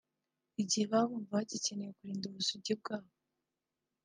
igihe baba bumva bagikeneye kurinda ubusugi bwabo